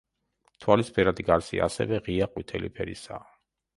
თვალის ფერადი გარსი ასევე ღია ყვითელი ფერისაა.